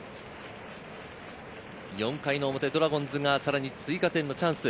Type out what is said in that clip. ４回の表、ドラゴンズがさらに追加点のチャンス。